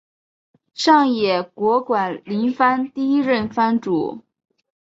上野国馆林藩第一任藩主。